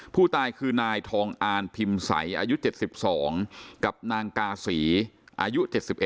ผู้ตายคือนายทองอานพิมพ์ใสอายุ๗๒กับนางกาศีอายุ๗๑